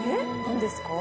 何ですか？